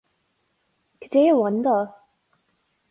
Cad é a bhain dó?